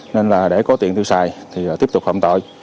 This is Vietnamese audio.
nên là để có tiền tiêu xài thì tiếp tục phạm tội